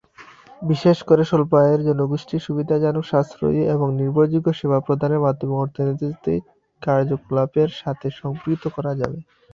বিশেষ করে স্বল্প আয়ের জনগোষ্ঠীকে সুবিধাজনক, সাশ্রয়ী, এবং নির্ভরযোগ্য সেবা প্রদানের মাধ্যমে অর্থনৈতিক কার্যকলাপের সাথে সম্পৃক্ত করা যাবে।